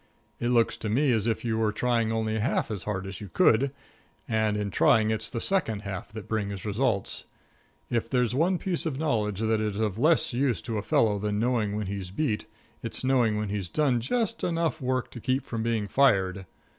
It looks to me as if you were trying only half as hard as you could, and in trying it's the second half that brings results. If there's one piece of knowledge that is of less use to a fellow than knowing when he's beat, it's knowing when he's done just enough work to keep from being fired.